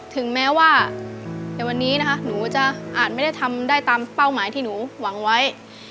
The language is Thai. ถึงแม้ว่าในวันนี้นะคะหนูจะอาจไม่ได้ทำได้ตามเป้าหมายที่หนูหวังไว้